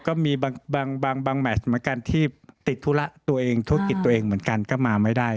ก็มีบางแมชเหมือนกันที่ติดธุระตัวเองธุรกิจตัวเองเหมือนกันก็มาไม่ได้